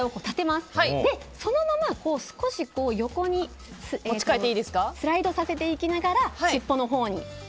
そのまま少し横にスライドさせていきながらしっぽのほうに。